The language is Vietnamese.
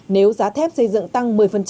nếu giá thép xây dựng tăng một mươi